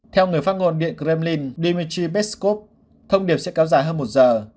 theo người phát ngôn điện kremlin dmitry peskov thông điệp sẽ kéo dài hơn một giờ